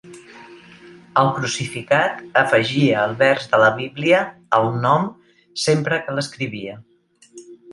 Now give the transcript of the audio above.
El crucificat afegia el vers de la Bíblia al nom sempre que l"escrivia.